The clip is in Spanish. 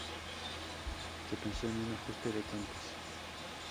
Se pensó en un ajuste de cuentas.